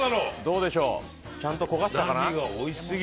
ちゃんと焦がしたかな。